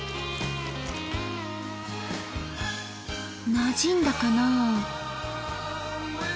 なじんだかな？